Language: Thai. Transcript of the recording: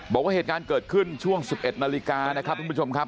บอกว่าเหตุการณ์เกิดขึ้นช่วง๑๑นาฬิกานะครับทุกผู้ชมครับ